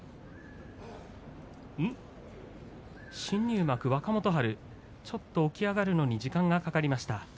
新入幕若元春、起き上がるのに時間がかかりました。